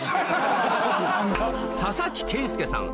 佐々木健介さん